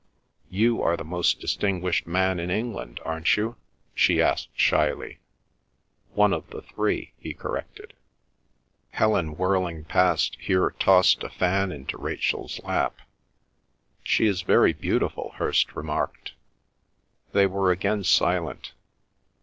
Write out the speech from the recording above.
You are the most distinguished man in England, aren't you?" she asked shyly. "One of the three," he corrected. Helen whirling past here tossed a fan into Rachel's lap. "She is very beautiful," Hirst remarked. They were again silent.